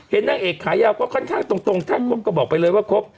เห็นนักเอกขายาวก็ค่อนข้างตรงก็บอกไปเลยว่าครบ